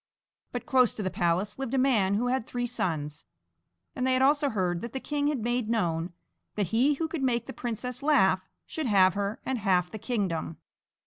But close to the palace lived a man who had three sons, and they had also heard that the king had made known that he who could make the princess laugh should have her and half the kingdom.